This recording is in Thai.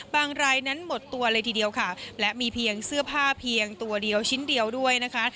รายนั้นหมดตัวเลยทีเดียวค่ะและมีเพียงเสื้อผ้าเพียงตัวเดียวชิ้นเดียวด้วยนะคะ